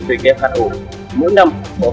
về kế hoạch ổn mỗi năm có hơn